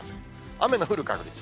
雨の降る確率。